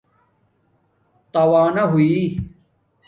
تاوانہ ہوئ